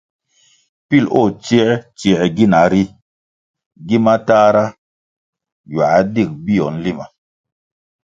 Pilʼ o tsiē tsiē gina ri, gi matahra ywā digʼ bio nlima.